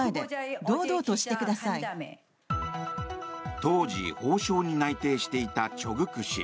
当時、法相に内定していたチョ・グク氏。